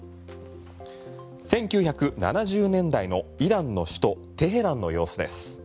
１９７０年代のイランの首都テヘランの様子です。